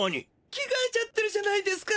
着がえちゃってるじゃないですか。